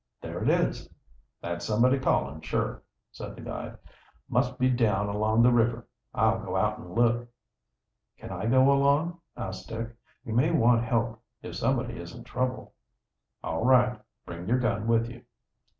"There it is!" "That's somebody calling, sure," said the guide. "Must be down along the river. I'll go out an' look." "Can I go along?" asked Dick. "You may want help if somebody is in trouble." "All right. Bring your gun with you."